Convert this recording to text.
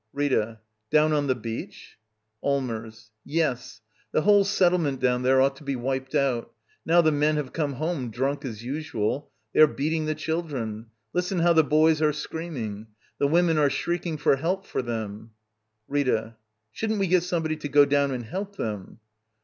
Rita. Down on the beach? Allmers. Yes. The whole settlement down there ought to be wiped out. Now the men have come home — drunk as usual. They are beating the children. Listen how the boys are screaming. The women are shrieking for help for them — Rita. Shouldn't we get somebody to go down and help them?